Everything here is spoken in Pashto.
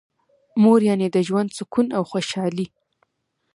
مور یعنی د ژوند سکون او خوشحالي.